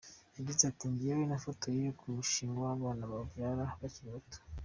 Yagize ati :"Jyewe nafotoye ku mushinga w’abana babyara bakiri bato.